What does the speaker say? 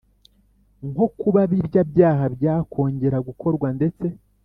Nko kuba birya byaha byakongera gukorwa ndetse